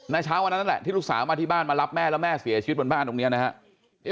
เช้าวันนั้นนั่นแหละที่ลูกสาวมาที่บ้านมารับแม่แล้วแม่เสียชีวิตบนบ้านตรงนี้นะครับ